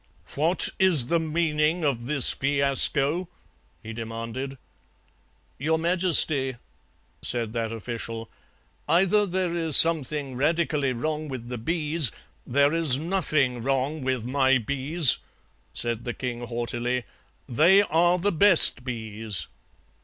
"'What is the meaning of this fiasco?' he demanded. "'Your Majesty,' said that official, 'either there is something radically wrong with the bees ' "'There is nothing wrong with my bees,' said the king haughtily, 'they are the best bees.'